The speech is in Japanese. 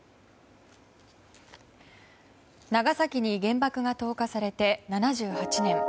長崎に原爆が投下されて７８年。